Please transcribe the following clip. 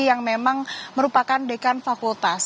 yang memang merupakan dekan fakultas